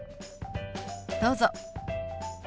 どうぞ。